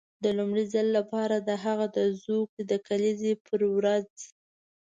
د لومړي ځل لپاره د هغه د زوکړې د کلیزې پر ورځ.